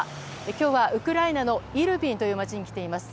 今日はウクライナのイルピンという街に来ています。